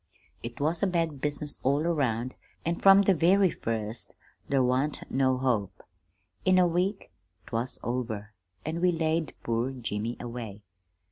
"It was a bad business all around, an' from the very first there wan't no hope. In a week 'twas over, an' we laid poor Jimmy away.